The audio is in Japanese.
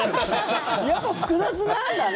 やっぱ複雑なんだね。